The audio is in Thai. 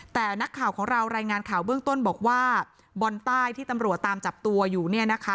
แต่นักข่าวของเรารายงานข่าวเบื้องต้นบอกว่าบอลใต้ที่ตำรวจตามจับตัวอยู่เนี่ยนะคะ